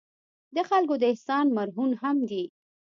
د خلکو د احسان مرهون هم دي.